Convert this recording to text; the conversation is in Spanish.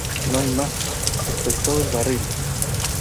¡ No hay más! ¡ esto es todo el barril !